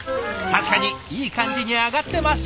確かにいい感じに揚がってます。